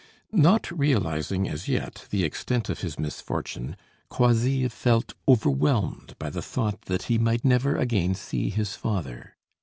Not realizing as yet the extent of his misfortune, Croisilles felt overwhelmed by the thought that he might never again see his father.